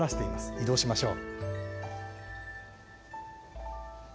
移動しましょう。